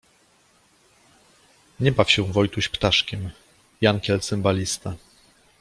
Nie baw się Wojtuś ptaszkiem. Jankiel cymbalista